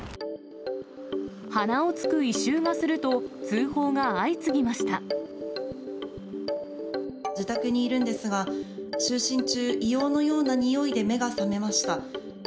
鼻をつく異臭がすると、自宅にいるんですが、就寝中、硫黄のような臭いで目が覚めました。